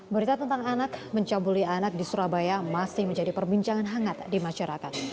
berita tentang anak mencabuli anak di surabaya masih menjadi perbincangan hangat di masyarakat